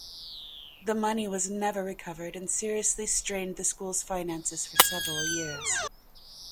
The money was never recovered and seriously strained the schools finances for several years.